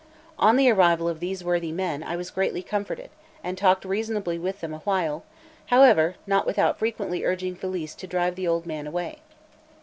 On the arrival of these worthy men, I was greatly comforted, and talked reasonably with them awhile, not however without frequently urging Felice to drive the old man away.